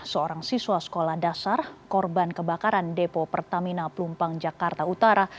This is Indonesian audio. seorang siswa sekolah dasar korban kebakaran depo pertamina pelumpang jakarta utara